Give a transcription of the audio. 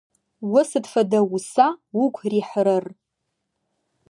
О сыд фэдэ уса угу рихьырэр?